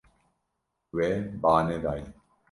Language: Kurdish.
We ba nedaye.